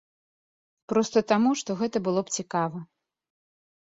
Проста таму, што гэта было б цікава.